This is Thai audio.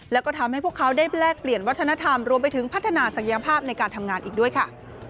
แล้วก็ทำให้พวกเขาได้แลกเปลี่ยนวัฒนธรรมรวมไปถึงพัฒนาศักยภาพในการทำงานอีกด้วยค่ะ